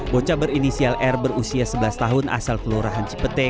bocah berinisial r berusia sebelas tahun asal kelurahan cipete